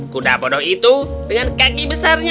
kuda bodoh itu dengan kaki besarnya